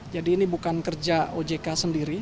jadi ini bukan kerja ojk sendiri